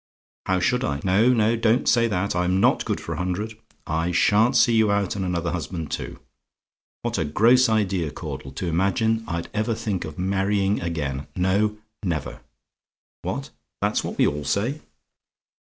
How should I? No, no; don't say that: I'm not good for a hundred I sha'n't see you out, and another husband too. What a gross idea, Caudle! To imagine I'd ever think of marrying again. No never! What? "THAT'S WHAT WE ALL SAY?